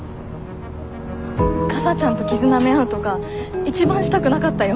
かさちゃんと傷なめ合うとか一番したくなかったよ。